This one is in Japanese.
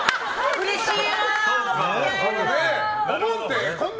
うれしい。